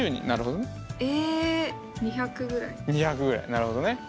なるほどね。